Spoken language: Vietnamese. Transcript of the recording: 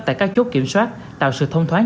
tại các chốt kiểm soát tạo sự thông thoáng